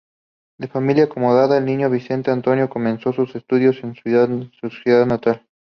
De familia acomodada, el niño Vicente Antonio comenzó sus estudios en su ciudad natal.